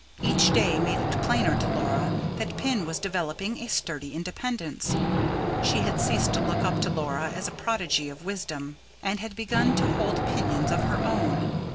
Each day made it plainer to Laura that Pin was developing a sturdy independence; she had ceased to look up to Laura as a prodigy of wisdom, and had begun to hold opinions of her own.